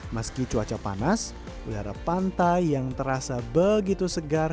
meski cuaca panas udara pantai yang terasa begitu segar